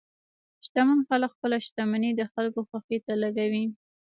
شتمن خلک خپل شتمني د خلکو خوښۍ ته لګوي.